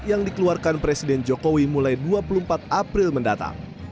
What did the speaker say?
yang dikeluarkan presiden jokowi mulai dua puluh empat april mendatang